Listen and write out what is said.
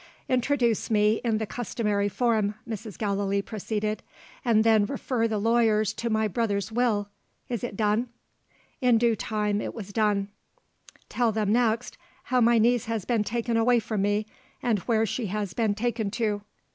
"Introduce me in the customary form," Mrs. Gallilee proceeded; "and then refer the lawyers to my brother's Will. Is it done?" In due time it was done. "Tell them next, how my niece has been taken away from me, and where she has been taken to."